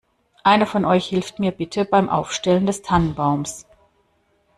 Einer von euch hilft mir bitte beim Aufstellen des Tannenbaums.